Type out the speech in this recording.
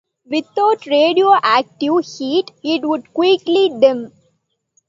Without radioactive heat it would quickly dim.